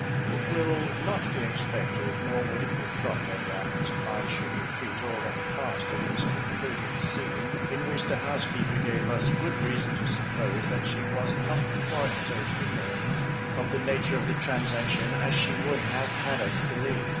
It will not be expected, nor would it be proper, that I should repeat all that passed in this concluding scene, in which the housekeeper gave us good reason to suppose that she was not quite so ignorant of the nature of the transaction as she would have had us believe.